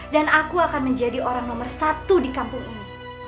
dan aku akan menjadi orang nomor satu di kampung ini